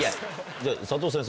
じゃあ佐藤先生